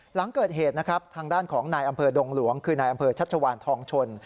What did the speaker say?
หลังเกิดเหตุนะครับทางด้านของนายอำเภอดงหลวงคือนายอำเภอชัชวานทองชน